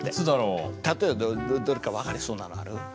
例えばどれか分かりそうなのある？